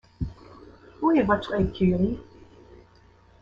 Où est votre écurie?